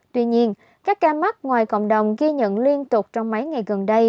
tuy nhiên các ca mắc ngoài cộng đồng ghi nhận liên tục trong mấy ngày gần đây